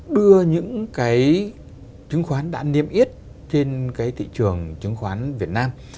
đưa những cái chứng khoán đã niêm yết trên cái thị trường chứng khoán việt nam